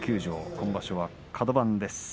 今場所はカド番です。